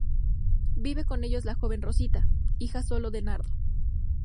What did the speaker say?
Vive con ellos la joven Rosita, hija sólo de Nardo.